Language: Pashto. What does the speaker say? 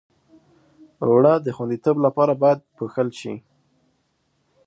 اوړه د خوندیتوب لپاره باید پوښل شي